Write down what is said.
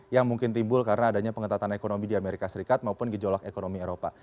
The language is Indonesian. yang mungkin timbul karena adanya pengetatan ekonomi di amerika serikat maupun gejolak ekonomi eropa